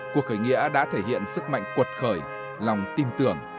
cuộc khởi nghĩa đã thể hiện sức mạnh cuột khởi lòng tin tưởng